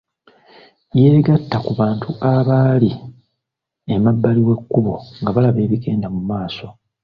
Yeegatta ku bantu abaali emabbali w’ekkubo nga balaba ebigenda mu maaso.